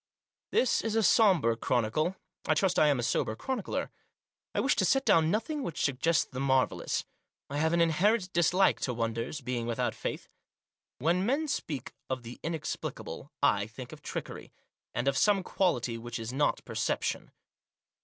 This is a sober chronicle. I trust I am a sober chronicler. I wish to set down nothing which suggests the marvellous. I have an inherent dislike to wonders, being without faith. When men speak of the inexplicable I think of trickery, and of some quality which is not perception.